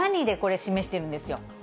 でこれ、示しているんですよ。